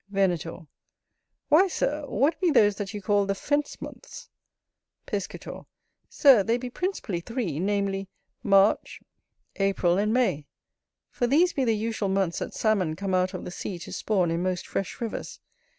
Venator. Why, Sir, what be those that you call the fence months? Piscator. Sir, they be principally three, namely, March, April, and May: for these be the usual months that Salmon come out of the sea to spawn in most fresh rivers.